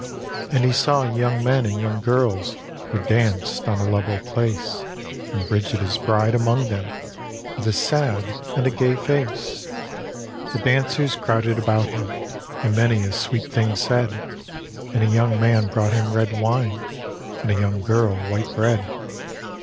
And he saw young men and young girb Who danced on a level place, And Bridget his bride among them, With a sad and a gay face. The dancers crowded about him, And many a sweet thing said, And a young man brou^t him red wine, And a young girl white bread.